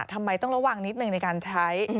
ทำไมต้องระวังนิดหนึ่งในการใช้